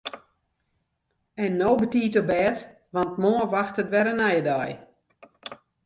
En no betiid op bêd want moarn wachtet wer in nije dei.